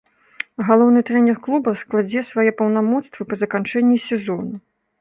Галоўны трэнер клуба складзе свае паўнамоцтвы па заканчэнні сезону.